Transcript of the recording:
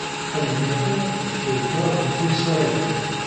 Ad nmmiqqir dffir kraḍ n tisragin